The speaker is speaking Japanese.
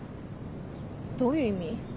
どういう意味？